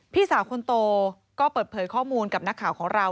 พี่สาวคนโตก็เปิดเผยข้อมูลกับนักข่าวของเรา